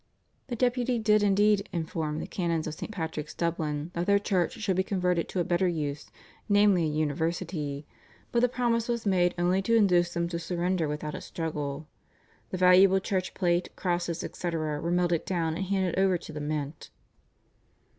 The Deputy did, indeed, inform the canons of St. Patrick's, Dublin, that their church should be converted to a better use, namely, a university, but the promise was made only to induce them to surrender without a struggle. The valuable church plate, crosses, etc., were melted down and handed over to the mint.